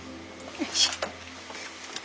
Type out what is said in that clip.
よいしょ。